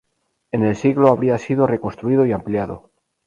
En el siglo habría sido reconstruido y ampliado.